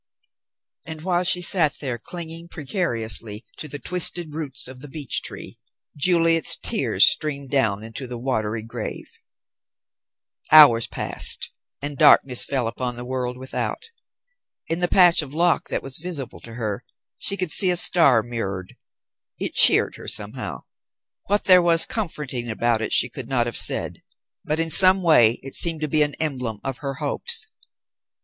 And while she sat there, clinging precariously to the twisted roots of the beech tree, Juliet's tears streamed down into the watery grave. Hours passed, and darkness fell upon the world without. In the patch of loch that was visible to her, she could see a star mirrored; it cheered her somehow. What there was comforting about it she could not have said, but in some way it seemed to be an emblem of her hopes.